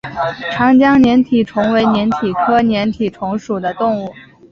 长江粘体虫为粘体科粘体虫属的动物。